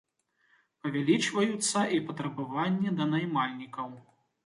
Павялічваюцца і патрабаванні да наймальнікаў.